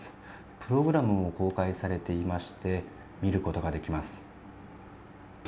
プログラムも公開されていまして見ることができます。